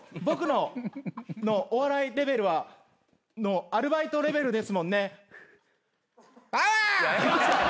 僕のお笑いレベルはアルバイトレベルですもんね。